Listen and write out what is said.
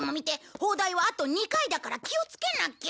砲台はあと２回だから気をつけなきゃ。